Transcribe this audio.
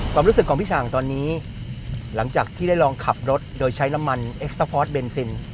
ความรู้สึกของพี่ฉ่างตอนนี้หลังจากที่ได้ลองขับรถโดยใช้น้ำมันเอ็กซาพอร์ตเบนซิน